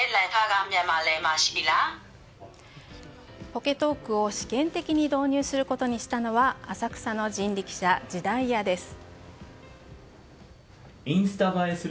ポケトークを試験的に導入することにしたのは浅草の人力車、時代屋です。